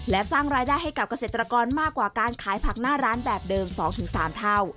และสร้างรายได้ให้กับเกษตรกรมากกว่าการขายผักหน้าร้านแบบเดิม๒๓เท่า